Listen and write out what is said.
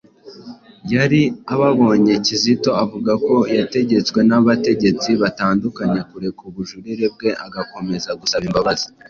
yari ababonye - Kizito avuga ko yategetswe n'abategetsi batandukanye kureka ubujurire bwe agakomeza gusaba imbabazi.